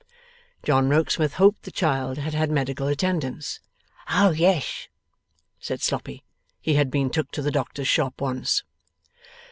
John Rokesmith hoped the child had had medical attendance? Oh yes, said Sloppy, he had been took to the doctor's shop once.